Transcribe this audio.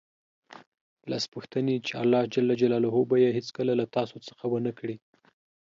لس پوښتنې چې الله ج به یې هېڅکله له تاسو څخه ونه کړي